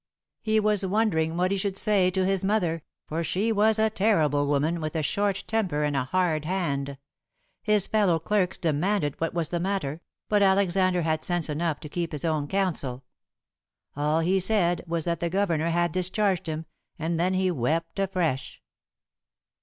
He was wondering what he should say to his mother, for she was a terrible woman, with a short temper and a hard hand. His fellow clerks demanded what was the matter, but Alexander had sense enough to keep his own counsel. All he said was that the governor had discharged him, and then he wept afresh.